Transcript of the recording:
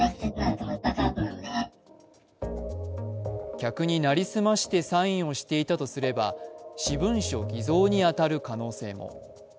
客に成り済ましてサインをしていたとすれば私文書偽造に当たる可能性も。